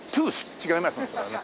違いますね